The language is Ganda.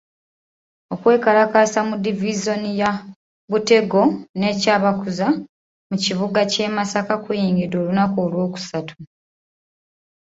Okwekalakaasa mu divisoni ya Butego ne Kyabakuza mu kibuga ky'e Masaka kuyingidde olunaku Olwokusatu.